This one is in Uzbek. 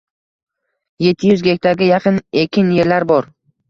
Yetti yuz gektarga yaqin ekin yerlar bor.